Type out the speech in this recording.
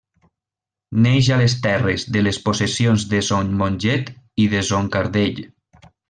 Neix a les terres de les possessions de Son Monget i de Son Cardell.